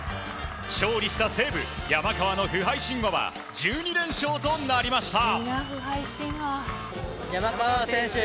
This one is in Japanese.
勝利した西武、山川の不敗神話は１２連勝となりました。